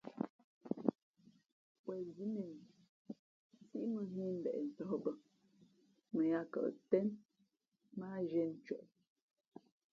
Wen zí mēn i nsíʼ mᾱ nhᾱ ī mbeʼ tᾱh bᾱ mα yāā kαʼ tén mά á zhīē ncwěʼ.